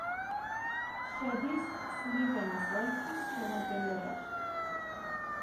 შედის სლივენის ოლქის შემადგენლობაში.